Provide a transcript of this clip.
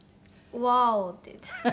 「ワーオ」って言ってました。